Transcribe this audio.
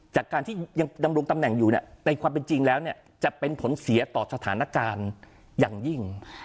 จากการที่ยังดำรงตำแหน่งอยู่ในความเป็นจริงแล้วเนี่ยจะเป็นผลเสียต่อสถานการณ์อย่างยิ่ง